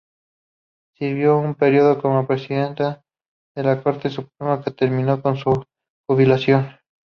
Sirvió un período como Presidenta de la Corte Suprema, que terminó con su jubilación.